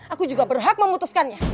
aku juga berhak memutuskannya